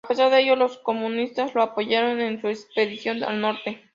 A pesar de ello los comunistas lo apoyaron en su Expedición al Norte.